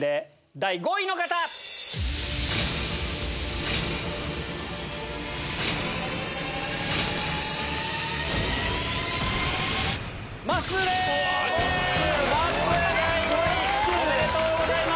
第５位おめでとうございます。